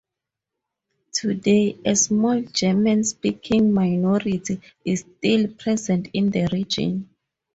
Today, a small German-speaking minority is still present in the region.